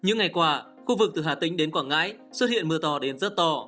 những ngày qua khu vực từ hà tĩnh đến quảng ngãi xuất hiện mưa to đến rất to